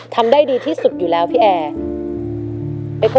ทำได้ดีที่สุดอยู่แล้วพี่แอร์